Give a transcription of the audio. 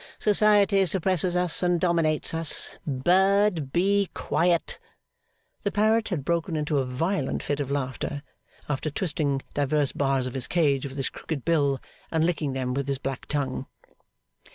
Society suppresses us and dominates us Bird, be quiet!' The parrot had broken into a violent fit of laughter, after twisting divers bars of his cage with his crooked bill, and licking them with his black tongue.